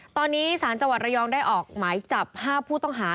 ตอนนี้สารจังหวัดระยองได้ออกหมายจับ๕ผู้ต้องหา